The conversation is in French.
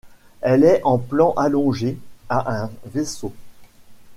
Elle est en plan allongé à un vaisseau.